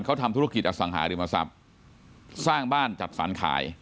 เขาทำธุรกิจอสังหาริมทรัพย์สร้างบ้านจัดสรรขาย